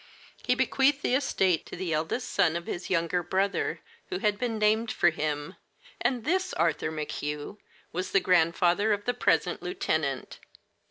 He bequeathed the estate to the eldest son of his younger brother, who had been named for him, and this Arthur McHugh was the grandfather of the present lieutenant.